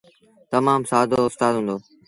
تمآم سآدو اُستآد هُݩدو۔